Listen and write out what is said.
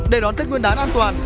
để đón tết nguyên đán an toàn